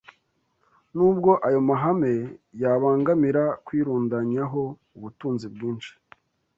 Nubwo ayo mahame yabangamira kwirundanyaho ubutunzi bwinshi